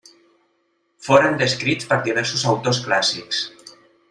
Foren descrits per diversos autors clàssics.